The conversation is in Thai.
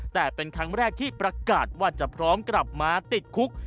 แต่เป็นครั้งแรกที่ประกาศว่าจะพร้อมกลับมาติดคุก